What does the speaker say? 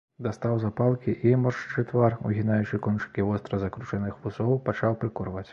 Дастаў запалкі і, моршчачы твар, угінаючы кончыкі востра закручаных вусоў, пачаў прыкурваць.